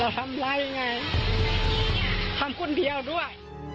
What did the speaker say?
ทำคนเพียวด้วย